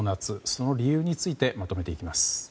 その理由についてまとめていきます。